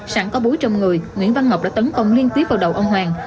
sẵn có búi trong người nguyễn văn ngọc đã tấn công liên tiếp vào đầu ông hoàng